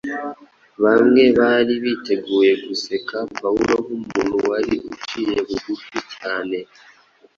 Bamwe bari biteguye guseka Pawulo nk’umuntu wari uciye bugufi cyane